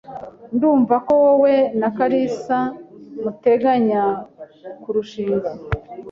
Ndumva ko wowe na kalisa muteganya kurushinga.